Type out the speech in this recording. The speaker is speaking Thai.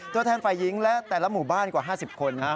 ตัวแทนฝ่ายหญิงและแต่ละหมู่บ้านกว่า๕๐คน